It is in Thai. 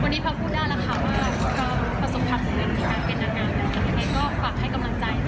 วันนี้พักพูดได้แล้วค่ะเพราะเราก็ประสบความสุขทั้งหนึ่งที่มาเป็นนักงานแล้วค่ะ